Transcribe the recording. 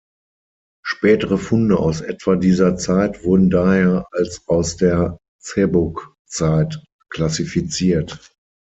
Spätere Funde aus etwa dieser Zeit wurden daher als aus der Żebbuġ-Zeit klassifiziert.